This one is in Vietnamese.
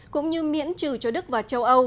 cũng như miễn trừ cho đức và châu âu